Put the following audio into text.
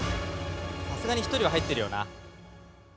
さすがに１人は入ってるよな。